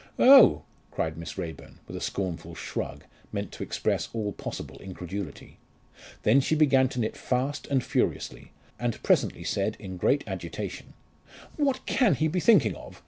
"Oh!" cried Miss Raeburn, with a scornful shrug, meant to express all possible incredulity. Then she began to knit fast and furiously, and presently said in great agitation, "What can he be thinking of?